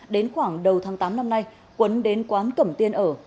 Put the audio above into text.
đến khoảng đầu tháng tám năm nay quấn đến quán cẩm tiên ở